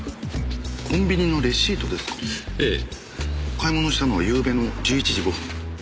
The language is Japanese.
買い物したのはゆうべの１１時５分。